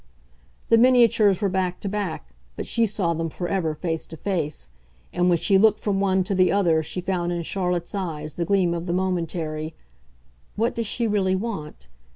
The miniatures were back to back, but she saw them forever face to face, and when she looked from one to the other she found in Charlotte's eyes the gleam of the momentary "What does she really want?"